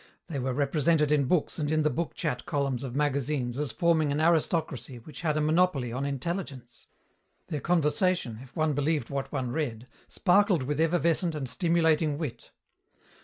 They were represented in books and in the book chat columns of magazines as forming an aristocracy which had a monopoly on intelligence. Their conversation, if one believed what one read, sparkled with effervescent and stimulating wit.